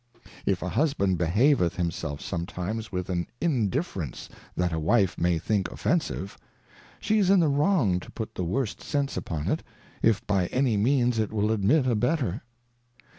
If a Husband behaveth himself some times with an Indifference that a TVife may think offensive, she is in the wrong to put the worst sence upon it, if by any Means it will admit a better.